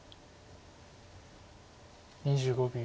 ２５秒。